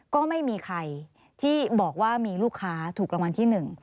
ก็ไม่มีใครที่บอกว่ามีลูกค้าถูกรางวัลที่๑